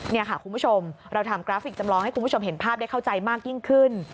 นี่ค่ะคุณผู้ชมเราทำกราฟิกจำลองให้คุณผู้ชมเห็นภาพได้เข้าใจมากยิ่งขึ้น